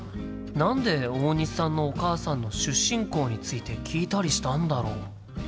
何で大西さんのお母さんの出身校について聞いたりしたんだろう？